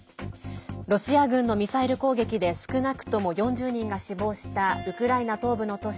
ロシア軍のミサイル攻撃で少なくとも４０人が死亡したウクライナ東部の都市